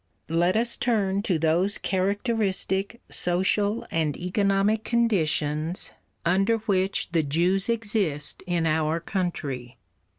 Let us turn to those characteristic social and economic conditions under which the Jews exist in our country.